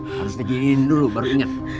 harus digigin dulu baru inget